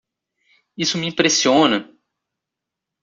Isso me impressiona!